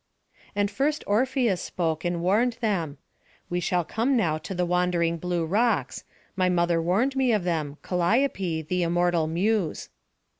And first Orpheus spoke, and warned them: "We shall come now to the wandering blue rocks; my mother warned me of them, Calliope, the immortal muse."